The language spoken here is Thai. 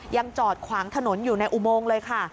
จอดขวางถนนอยู่ในอุโมงเลยค่ะ